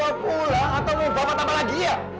ayo pulang atau mau bapak tambah lagi ya